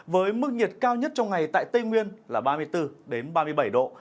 với mức nhiệt cao nhất trong ngày tại tây nguyên là ba mươi bốn ba mươi bảy độ